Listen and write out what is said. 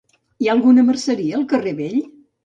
Hi ha alguna merceria al carrer vell?